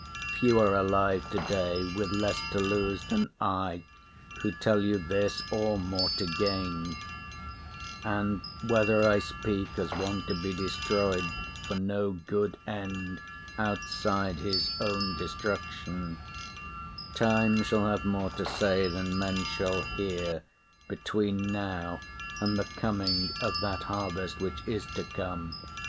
Few are alive to day with less to lose Than I who tell you this, or more to gain; And whether I speak as one to be destroyed For no good end outside his own destruction, Time shall have more to say than men shall hear Between now and the coming of that harvest Which is to come.